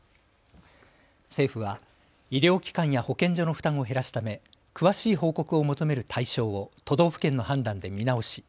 政府は医療機関や保健所の負担を減らすため詳しい報告を求める対象を都道府県の判断で見直し